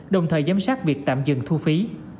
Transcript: đồng thời giám sát việc tạm dừng thu phí